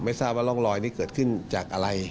ทราบว่าร่องรอยนี่เกิดขึ้นจากอะไร